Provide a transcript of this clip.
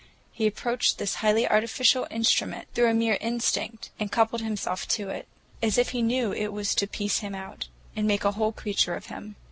He approached this highly artificial instrument through a mere instinct, and coupled himself to it, as if he knew it was to piece him out and make a whole creature of him.